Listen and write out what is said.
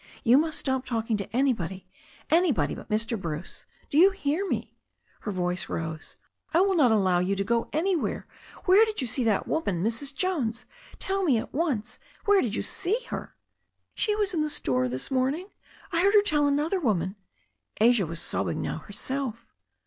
You must stop talking to anybody — ^anybody but Mr. Bruce. Do you hear me ?" her voice rose. "I will not allow you to go anywhere. Where did you see that woman — Mrs. Jones? Tell me at once. Where did you see her?" "She was in the store this morning. I heard her tell another woman " Asia was sobbing now herself.